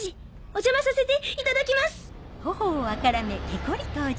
お邪魔させていただきます。